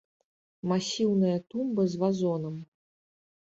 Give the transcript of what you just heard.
Масіўная тумба з вазонам.